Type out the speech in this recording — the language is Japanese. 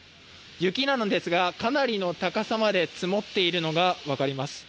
雪なのですが、かなりの高さまで積もっているのが分かります。